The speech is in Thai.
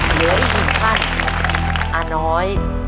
เหลืออีกอีกครั้งอาน้อย